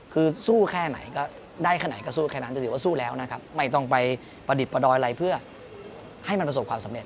คือสู้แค่ไหนก็ได้แค่ไหนก็สู้แค่นั้นแต่ถือว่าสู้แล้วนะครับไม่ต้องไปประดิษฐ์ประดอยอะไรเพื่อให้มันประสบความสำเร็